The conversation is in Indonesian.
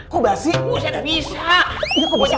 kok bisa sih